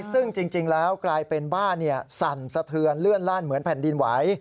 ซึ่งจริงแล้วกลายเป็นบ้านสั่นสะเทือนเลื่อนลั่นเหมือนแผ่นดินไหว